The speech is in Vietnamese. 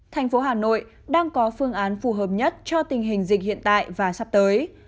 thành phố hà nội đang có phương án phù hợp nhất cho tình hình dịch hiện tại và sắp tới